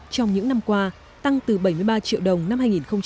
trong những năm qua tăng từ bảy mươi ba triệu đồng năm hai nghìn hai mươi